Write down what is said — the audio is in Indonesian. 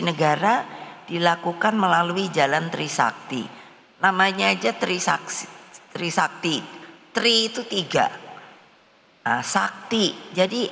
negara dilakukan melalui jalan trisakti namanya aja trisakti trisakti tri itu tiga sakti jadi